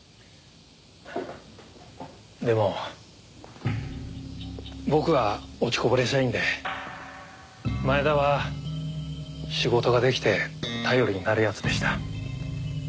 でも僕は落ちこぼれ社員で前田は仕事ができて頼りになる奴でした。